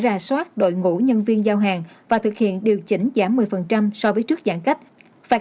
ra soát đội ngũ nhân viên giao hàng và thực hiện điều chỉnh giảm một mươi so với trước giãn cách phạt